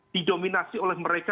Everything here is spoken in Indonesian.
didominasi oleh mereka